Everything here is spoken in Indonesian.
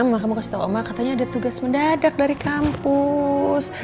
mama kamu kasih tahu oma katanya ada tugas mendadak dari kampus